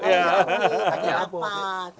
terima kasih pak bupati